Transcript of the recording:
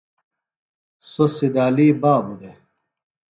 سوۡ سِدالی بابوۡ دےۡ